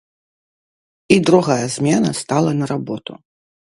І другая змена стала на работу.